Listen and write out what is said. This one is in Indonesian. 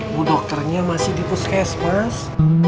bu dokternya masih di puskes mas